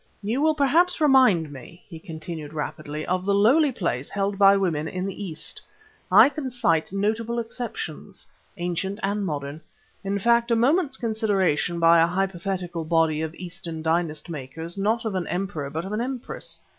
"You will perhaps remind me," he continued rapidly, "of the lowly place held by women in the East. I can cite notable exceptions, ancient and modern. In fact, a moment's consideration by a hypothetical body of Eastern dynast makers not of an emperor but of an empress.